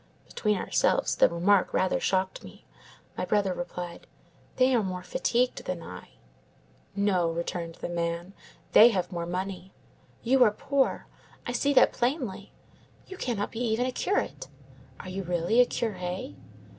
"Between ourselves, the remark rather shocked me. My brother replied:— "'They are more fatigued than I.' "'No,' returned the man, 'they have more money. You are poor; I see that plainly. You cannot be even a curate. Are you really a curé?